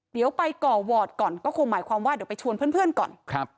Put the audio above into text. เดี๋ยวไปก่อวอร์ดก่อนก็คงหมายความว่าเดี๋ยวไปชวนเพื่อนก่อนครับ